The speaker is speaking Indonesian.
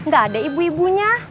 gak ada ibu ibu